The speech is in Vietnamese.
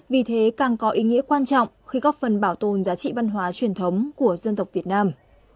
vì thế càng có ý nghĩa quan trọng khi góp phần bảo tồn giá trị văn hóa truyền thống của dân tộc việt nam